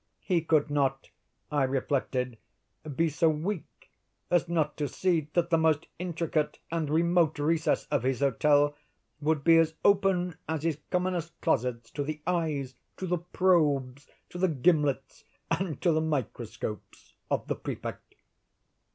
He could not, I reflected, be so weak as not to see that the most intricate and remote recess of his hotel would be as open as his commonest closets to the eyes, to the probes, to the gimlets, and to the microscopes of the Prefect.